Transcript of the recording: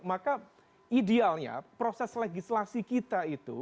maka idealnya proses legislasi kita itu